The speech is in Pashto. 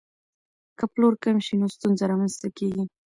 که پلور کم شي نو ستونزه رامنځته کیږي.